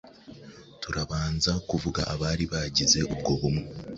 turabanza kuvuga abari bagize ubwo bumwe